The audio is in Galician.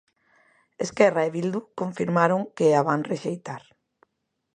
Esquerra e Bildu confirmaron que a van rexeitar.